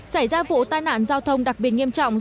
xảy ra vụ tai nạn giao thông đặc biệt nghiêm trọng